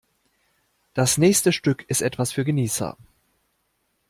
Das nächste Stück ist etwas für Genießer.